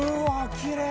きれい！